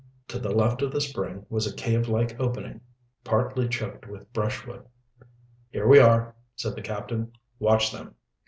To the left of the spring was a cave like opening, partly choked with brushwood. "Here we are," said the captain. "Watch them."